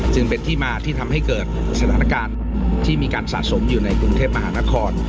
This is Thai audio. จึงเป็นที่มาที่ทำให้เกิดสถานการณ์ที่มีการสะสมอยู่ในกรุงเทพมหานคร